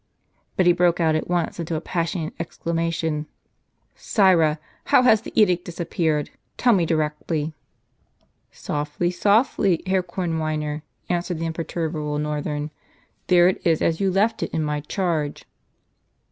But he broke out at once into a passionate exclamation : "Sirrah! how has the edict disappeared? Tell me directly !" "Softly, softly, Herr Kornweiner," answered the imper turbable Northern. " There it is as you left it in my charge."